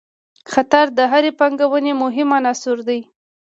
خطر د هرې پانګونې مهم عنصر دی.